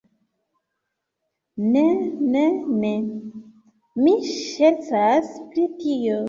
Ne, ne, ne. Mi ŝercas pri tio.